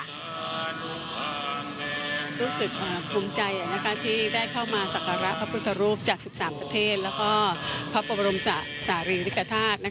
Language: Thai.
รู้สึกภูมิใจที่ได้เข้ามาสักการะพระพุทธรูปจาก๑๓ประเทศแล้วก็พระบรมศาลีริกฐาตุ